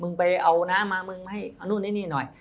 มึงไปเอาแล้วมึงมาให้ว่านู้นนั่นนี่น่ะ